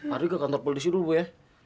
lari ke kantor polisi dulu bu ya